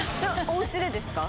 おうちでですか？